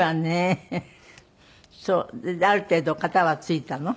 ある程度片は付いたの？